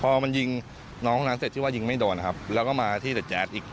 พอมันยิงน้องนั้นเสร็จที่ว่ายิงไม่โดนนะครับแล้วก็มาที่เต็ดแจ๊ดอีก